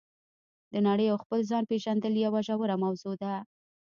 د نړۍ او خپل ځان پېژندل یوه ژوره موضوع ده.